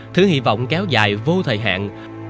thứ hy vọng kéo dài vô thời hạn